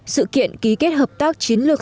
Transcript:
sự kiện ký kết hợp tác chiến lược